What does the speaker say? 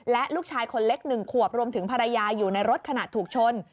และลูกชายคนเล็ก๑ขวบรวมถึงภรรยาอยู่ในรถขณะถูกชน